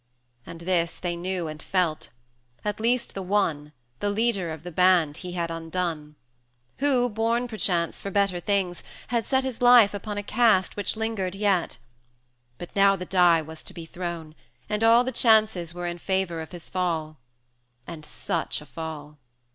270 And this they knew and felt, at least the one, The leader of the band he had undone; Who, born perchance for better things, had set His life upon a cast which lingered yet: But now the die was to be thrown, and all The chances were in favour of his fall: And such a fall!